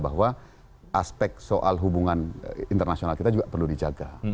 bahwa aspek soal hubungan internasional kita juga perlu dijaga